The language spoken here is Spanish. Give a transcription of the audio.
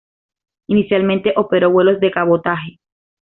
Inicialmente operó vuelos de cabotaje.